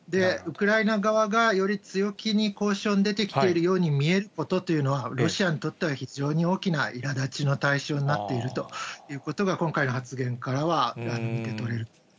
ウクライナ側が、より強気に交渉に出てきているように見えることというのは、ロシアにとっては非常に大きないらだちの対象になっているということが、今回の発言からは見て取れる。